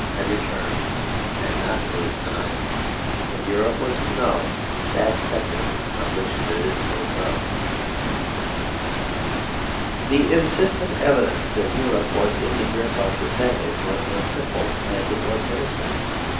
had returned, and not Louis IX.; and Europe was to know that sceptre on which there is no dove. The instant evidence that Europe was in the grip of the savage was as simple as it was sinister.